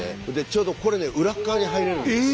ちょうどこれね裏っ側に入れるんです。